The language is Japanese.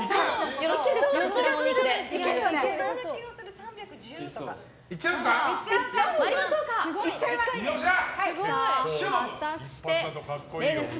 よろしいですか？